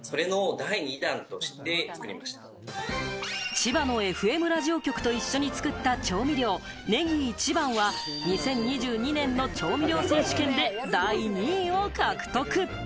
千葉のＦＭラジオ局と一緒に作った調味料・ネギイチバンは２０２２年の調味料選手権で第２位を獲得。